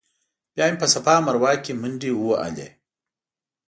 بیا مې په صفا مروه کې منډې ووهلې.